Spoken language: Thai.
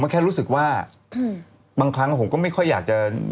แค่รู้สึกว่าบางครั้งผมก็ไม่ค่อยอยากจะ